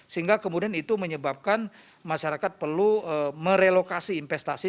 sehingga kemudian itu menyebabkan masyarakat perlu merelokasi investasi